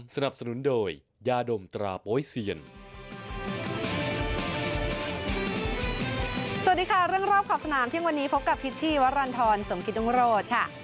สวัสดีค่ะเรื่องรอบขอบสนามเที่ยงวันนี้พบกับพิษชีวรรณฑรสมกิตรุงโรธค่ะ